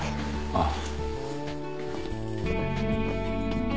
ああ。